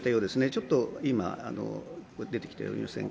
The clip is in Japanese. ちょっと今、出てきておりません。